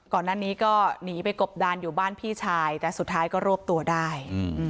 ก่อนหน้านี้ก็หนีไปกบดานอยู่บ้านพี่ชายแต่สุดท้ายก็รวบตัวได้